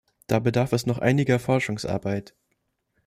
Da bedarf es noch einiger Forschungsarbeit.